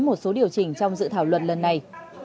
một số điều chỉnh trong dự thảo luật lần này